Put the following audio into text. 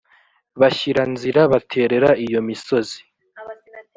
bashyira nzira, baterera iyo misozi.